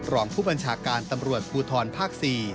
รองผู้บัญชาการตำรวจภูทรภาค๔